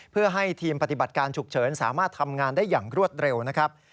เพื่อให้ทีมปฏิบัติการฉุกเฉินสามารถทำงานได้อย่างรวดเร็วนะครับ